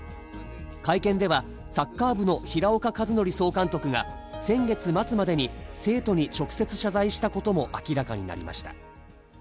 会見ではサッカー部の平岡和徳総監督が先月末までに生徒に直接謝罪したことも明らかになりました。